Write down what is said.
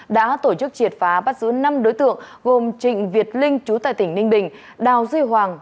đã tổ chức triệt phá bắt giữ năm đối tượng gồm trịnh việt linh chú tại tỉnh ninh bình đào duy hoàng